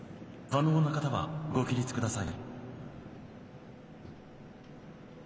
可能な方はご起立ください。